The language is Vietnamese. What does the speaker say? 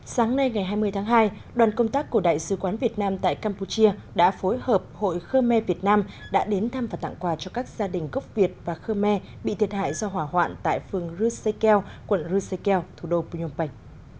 sáng nay ngày hai mươi tháng hai đoàn công tác của đại sứ quán việt nam tại campuchia đã phối hợp hội khơ me việt nam đã đến thăm và tặng quà cho các gia đình gốc việt và khơ me bị thiệt hại do hỏa hoạn tại phường rusekel quận rusekel thủ đô pung pènh